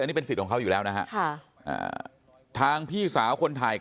อันนี้เป็นสิทธิ์ของเขาอยู่แล้วนะฮะค่ะอ่าทางพี่สาวคนถ่ายคลิปเนี่ยไม่อยู่